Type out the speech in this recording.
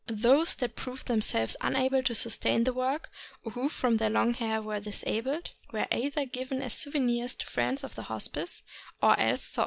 Those that proved themselves unable to sustain the work, or who from their long hair were disabled, were either given as souvenirs to friends of the Hospice, or else sold.